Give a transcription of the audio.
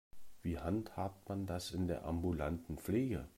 Wie handhabt man das in der ambulanten Pflege?